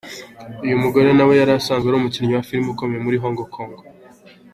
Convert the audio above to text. Uyu mugore yari asanzwe na we ari umukinnyi wa filime ukomeye muri Hong Kong.